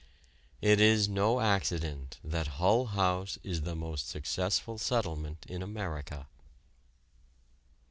It is no accident that Hull House is the most successful settlement in America.